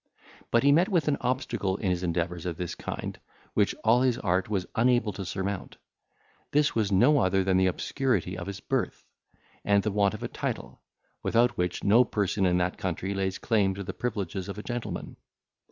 But he met with an obstacle in his endeavours of this kind, which all his art was unable to surmount. This was no other than the obscurity of his birth, and the want of a title, without which no person in that country lays claim to the privileges of a gentleman.